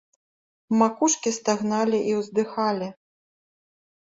Макушкі стагналі і ўздыхалі.